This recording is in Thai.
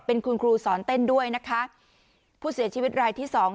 เป็นคุณครูสอนเต้นด้วยนะคะผู้เสียชีวิตรายที่สอง